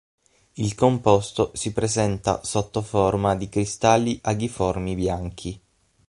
Il composto si presenta sotto forma di cristalli aghiformi bianchi.